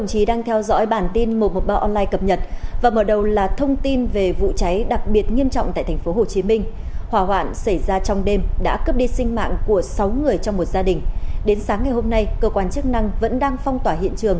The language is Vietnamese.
hãy đăng ký kênh để ủng hộ kênh của chúng mình nhé